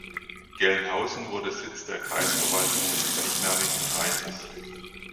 Gelnhausen wurde Sitz der Kreisverwaltung des gleichnamigen Kreises.